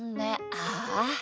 ああ。